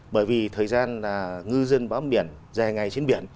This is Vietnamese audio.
bởi vì thời gian là ngư dân bám biển dài ngày trên biển